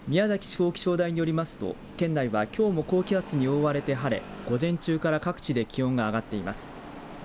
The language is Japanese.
地方気象台によりますと県内はきょうも高気圧に覆われて晴れ午前中から各地で気温が上がっています。